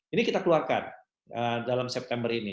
ini kita keluarkan dalam september ini